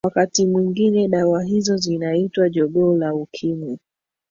wakati mwingine dawa hizo zinaitwa jogoo la ukimwi